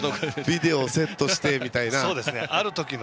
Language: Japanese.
ビデオをセットしてみたいな。